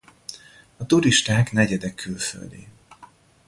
A turisták negyede külföldi.